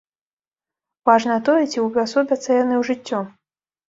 Важна тое, ці ўвасобяцца яны ў жыццё.